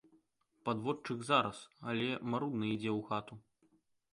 Падводчык зараз, але марудна ідзе ў хату.